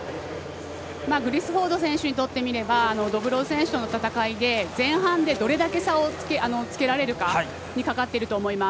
グリスウォード選手にとって見ればドブロウ選手との戦いで前半でどれだけ差をつけられるかにかかっていると思います。